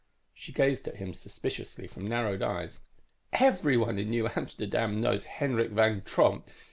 _ _She gazed at him suspiciously from narrowed eyes. "Everyone in New Amsterdam knows Henrik Van Tromp.